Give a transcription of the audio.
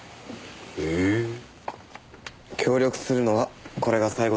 へぇー。協力するのはこれが最後です。